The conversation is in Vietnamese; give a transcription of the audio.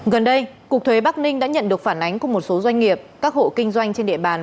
gần đây cục thuế bắc ninh đã nhận được phản ánh của một số doanh nghiệp các hộ kinh doanh trên địa bàn